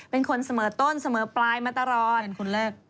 เป็นคนเสมอต้นเสมอปลายมาตลอด